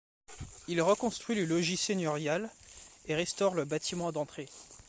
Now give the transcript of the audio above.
Il reconstruit le logis seigneurial et restaure le bâtiment d'entrée.